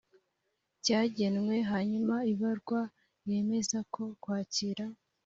cyagenwe hanyuma ibarwa yemeza ko kwakira